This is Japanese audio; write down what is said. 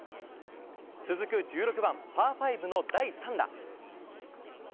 続く１６番、パー５の第３打。